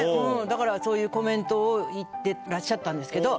だからそういうコメントを言ってらっしゃったんですけど。